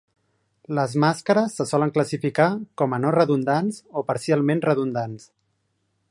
Les màscares se solen classificar com a no redundants o parcialment redundants.